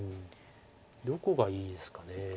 どこがいいですか。